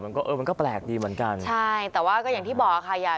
มันก็เออมันก็แปลกดีเหมือนกันใช่แต่ว่าก็อย่างที่บอกค่ะอย่า